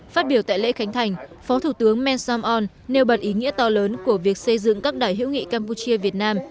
phát biểu tại lễ khánh thành phó thủ tướng mensomom nêu bật ý nghĩa to lớn của việc xây dựng các đài hữu nghị campuchia việt nam